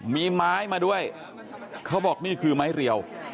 มีไม้มาด้วยเขาบอกนี่คือไม้เรียว